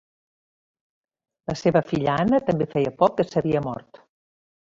La seva filla Anna també feia poc que s'havia mort.